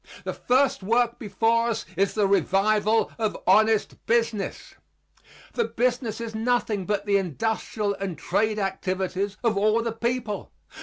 The first work before us is the revival of honest business. For business is nothing but the industrial and trade activities of all the people.